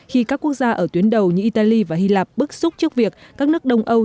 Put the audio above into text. khi các quốc gia ở tuyến đầu như italy và hy lạp bức xúc trước việc các nước đông âu